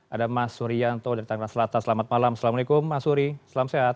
ada mas surianto dari tangerang selatan selamat malam assalamualaikum mas uri selamat sehat